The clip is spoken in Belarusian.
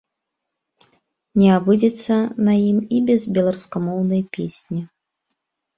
Не абыдзецца на ім і без беларускамоўнай песні.